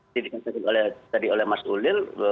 dijikan seperti tadi oleh mas udil